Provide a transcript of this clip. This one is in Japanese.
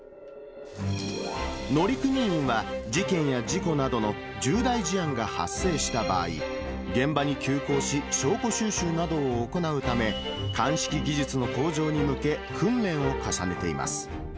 乗組員は事件や事故などの重大事案が発生した場合、現場に急行し、証拠収集などを行うため、鑑識技術の向上に向け、訓練を重ねています。